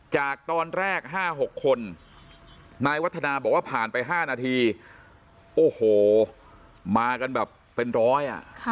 จากตอนแรก๕๖คนนายวัฒนาบอกว่าผ่านไป๕นาทีโอ้โหมากันแบบเป็นร้อยอ่ะ